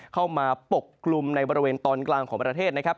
ปกกลุ่มในบริเวณตอนกลางของประเทศนะครับ